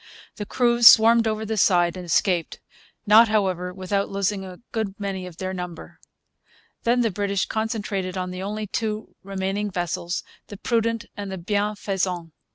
The crews swarmed over the side and escaped; not, however, without losing a good many of their number. Then the British concentrated on the only two remaining vessels, the Prudent and the Bienfaisant.